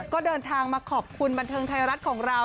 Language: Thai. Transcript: ก็เดินทางมาขอบคุณบันเทิงไทยรัฐของเรา